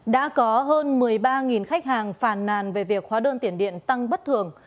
đã có hơn một mươi ba khách hàng phàn nàn về việc hóa đơn tiền điện tăng bất thường